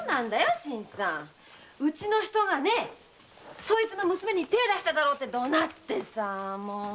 新さんうちの人がねそいつの娘に手を出したろうなんて怒鳴ってさ。